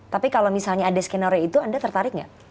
tapi kalau misalnya ada skenario itu anda tertarik nggak